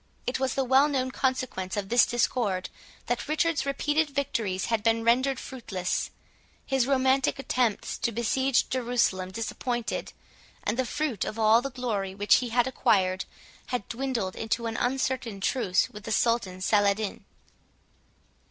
It was the well known consequence of this discord that Richard's repeated victories had been rendered fruitless, his romantic attempts to besiege Jerusalem disappointed, and the fruit of all the glory which he had acquired had dwindled into an uncertain truce with the Sultan Saladin.